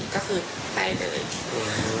ก็คือไปเลย